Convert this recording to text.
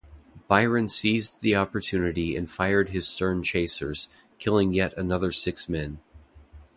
Byron seized the opportunity and fired his stern chasers, killing yet another six men.